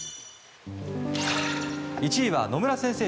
１位は野村先生